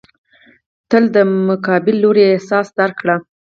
تل د مقابل لوري احساس درک کړه.